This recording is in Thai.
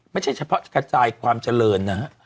ไม่ใช่เฉพาะกระจายความเจริญนะฮะ